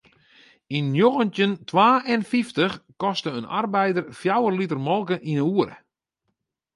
Yn njoggentjin twa en fyftich koste in arbeider fjouwer liter molke yn 'e oere.